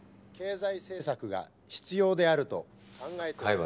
経済政策が必要であると考えて。